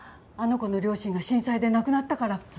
あの子の両親が震災で亡くなったから。